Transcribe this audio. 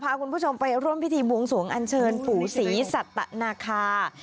พาคุณผู้ชมไปร่วมพิธีบวงสวงอันเชิญปู่ศรีสัตนาคา